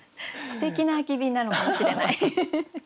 すてきな空き瓶なのかもしれない。